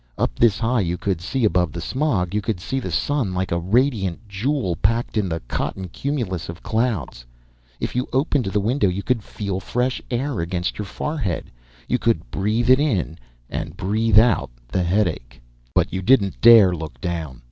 Up this high you could see above the smog. You could see the sun like a radiant jewel packed in the cotton cumulus of clouds. If you opened the window you could feel fresh air against your forehead, you could breathe it in and breathe out the headache. But you didn't dare look down.